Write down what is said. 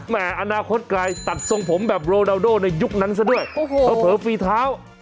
แหมอนาคตกายตัดทรงผมแบบโรนาโดในยุคนั้นซะด้วยเผอฟรีเท้า